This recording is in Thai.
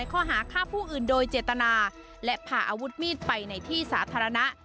ข้อหาฆ่าผู้อื่นโดยเจตนาและพาอาวุธมีดไปในที่สาธารณะ